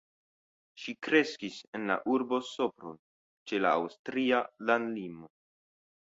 Ŝi kreskis en la urbo Sopron ĉe la aŭstria landlimo.